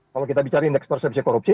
kalau kita bicara indeks persepsi korupsi